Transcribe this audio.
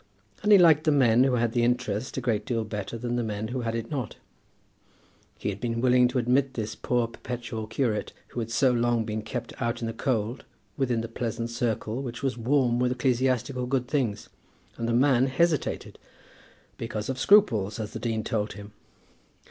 And he liked the men who had the interest a great deal better than the men who had it not. He had been willing to admit this poor perpetual curate, who had so long been kept out in the cold, within the pleasant circle which was warm with ecclesiastical good things, and the man hesitated, because of scruples, as the dean told him!